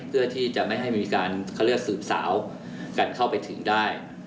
เพื่อที่จะไม่ให้มีการเขาเรียกสืบสาวกันเข้าไปถึงได้